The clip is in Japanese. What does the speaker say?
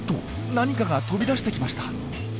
何かが飛び出してきました。